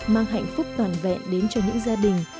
mang hạnh phúc toàn vẹn đến cho những gia đình